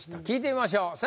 聞いてみましょう。